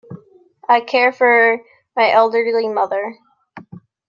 I care for my elderly mother.